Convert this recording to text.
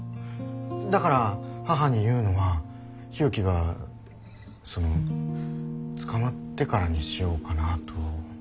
だから母に言うのは日置がその捕まってからにしようかなと。